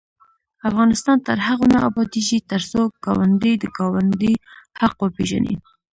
افغانستان تر هغو نه ابادیږي، ترڅو ګاونډي د ګاونډي حق وپيژني.